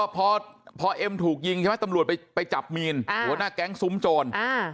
พอพอเอ็มถูกยิงใช่ไหมตำรวจไปจับมีนหัวหน้าแก๊งซุ้มโจร